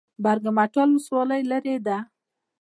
برګ مټال ولسوالۍ لیرې ده؟